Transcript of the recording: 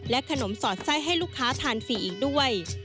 ขนมสอดไส้ให้ลูกค้าทานฟรีอีกด้วย